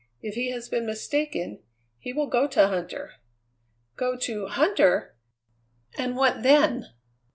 If he has been mistaken, he will go to Huntter." "Go to Huntter! And what then?